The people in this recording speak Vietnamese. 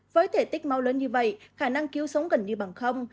với thể tích mau lớn như vậy khả năng cứu sống gần như bằng không